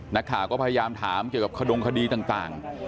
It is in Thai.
นักข่าวก็พยายามถามเกี่ยวกับขดงคดีต่าง